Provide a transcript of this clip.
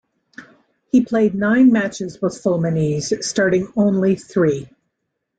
He played nine matches with Fluminense, starting only three.